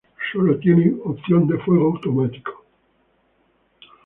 Solo tiene opción de fuego automático.